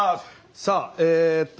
さあえっと